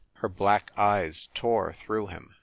Her black eyes tore through him.